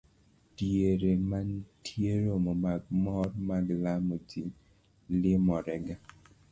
Diere mantie romo mag mor mag lamo, ji limorega